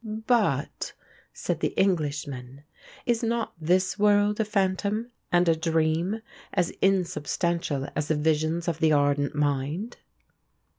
"But," said the Englishman, "is not this world a phantom and a dream as insubstantial as the visions of the ardent mind?"